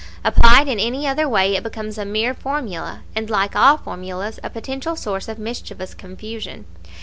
Applied in any other way it becomes a mere formula, and like all formulas a potential source of mischievous confusion.